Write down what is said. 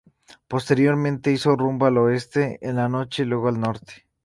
Posteriormente, hizo rumbo al oeste en la noche y luego al norte.